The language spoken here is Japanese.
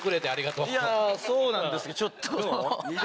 いやそうなんですけどちょっと。